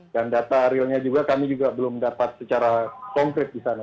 dan data realnya juga kami belum dapat secara konkret disana